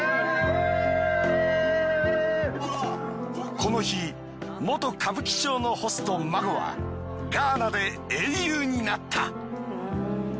この日元歌舞伎町のホストＭＡＧＯはガーナで英雄になった。